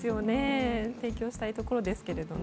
提供したいところですけどね